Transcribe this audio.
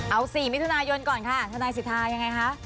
เอา๔มิถุนายนก่อนค่ะทนายสิทธายังไงคะ